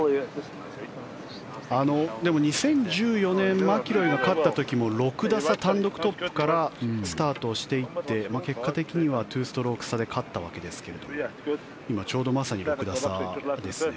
でも、２０１４年マキロイが勝った時も６打差、単独トップからスタートしていって結果的には２ストローク差で勝ったわけですが今、ちょうどまさに６打差ですね。